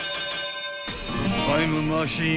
［タイムマシーン